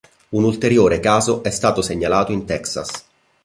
Un ulteriore caso è stato segnalato in Texas.